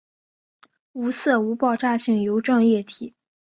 无色无爆炸性油状液体。